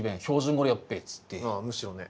あむしろね。